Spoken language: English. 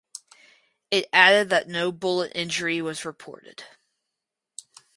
It added that no bullet injury was reported.